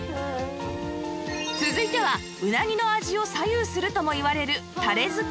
続いてはうなぎの味を左右するともいわれるたれ付け